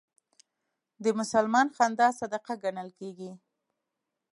د مسلمان خندا صدقه ګڼل کېږي.